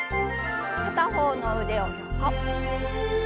片方の腕を横。